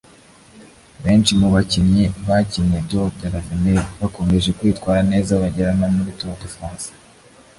Benshi mu bakinnyi bakinnye Tour de l’Avenir bakomeje kwitwara neza bagera no muri Tour de France